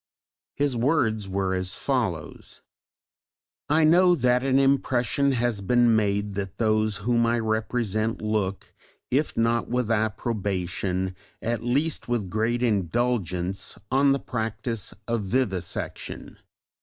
His words were as follows: I know that an impression has been made that those whom I represent look, if not with approbation, at least with great indulgence, on the practice of vivisection.